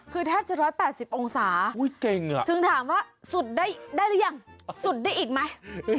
คือแทบจะ๑๘๐องศาถึงถามว่าสุดได้หรือยังสุดได้อีกไหม